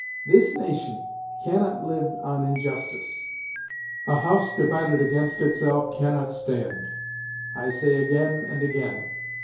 This nation cannot live on injustice; "a house divided against itself cannot stand," I say again and again.'